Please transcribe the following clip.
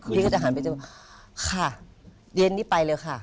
พี่ก็จะหันไปเจอค่ะเย็นนี้ไปเลยค่ะ